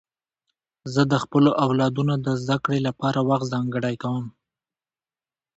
زه د خپلو اولادونو د زدهکړې لپاره وخت ځانګړی کوم.